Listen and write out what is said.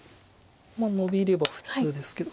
ノビれば普通ですけど。